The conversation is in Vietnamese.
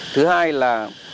thứ hai là